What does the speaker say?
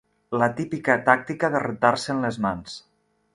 La típica tàctica de rentar-se'n les mans.